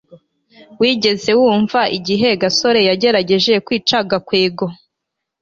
wigeze wumva igihe gasore yagerageje kwica gakwego